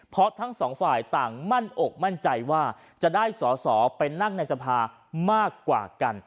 เพราะทั้งสองฝ่ายต่างมั่นอกมั่นใจว่าจะได้สอสอไปนั่งในสภามากกว่ากัน